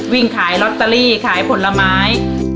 วิ่งขายลอตเตอรี่ขายผลไม้